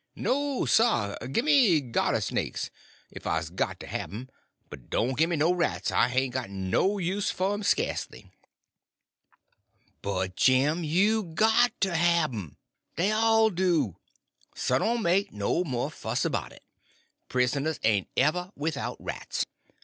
No, sah, gimme g'yarter snakes, 'f I's got to have 'm, but doan' gimme no rats; I hain' got no use f'r um, skasely." "But, Jim, you got to have 'em—they all do. So don't make no more fuss about it. Prisoners ain't ever without rats.